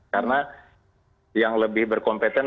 karena yang lebih berkompeten